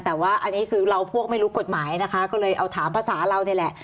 แต่ว่าอันนี้คือเราพวกไม่รู้กฎหมายนะคะก็เลยเอาถามภาษาเรานี่แหละ